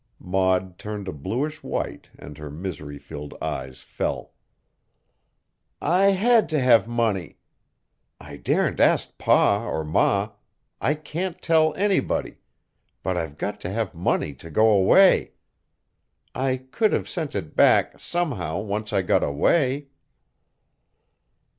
Maud turned a bluish white and her misery filled eyes fell. "I had t' have money. I darn't ask Pa or Ma; I can't tell anybody, but I've got t' have money to go away. I could have sent it back, somehow, once I got away!"